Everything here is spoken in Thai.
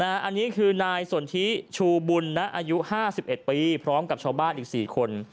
อันนี้คือนายสนทิชูบุญนะอายุ๕๑ปีพร้อมกับชาวบ้านอีก๔คน